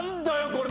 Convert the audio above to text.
⁉これ！